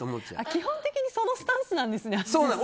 基本的にそのスタンスなんですね、淳さん。